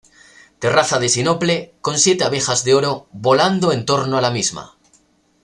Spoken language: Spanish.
Terraza de Sinople, con siete abejas de oro, volando en torno a la misma.